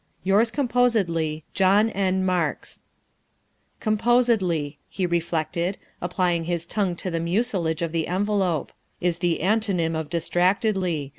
" Yours composedly, " JOHN N. MASKS." "' Composedly,' " he reflected, applying his tongue to the mucilage of the envelope, " is the antonym of ' distractedly.'